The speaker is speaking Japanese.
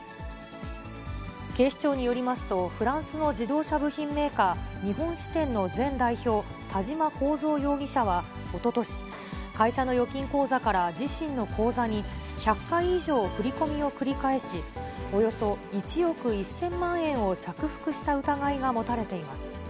警視庁によりますと、フランスの自動車部品メーカー日本支店の前代表、田嶋幸三容疑者はおととし、会社の預金口座から自身の口座に１００回以上振り込みを繰り返し、およそ１億１０００万円を着服した疑いが持たれています。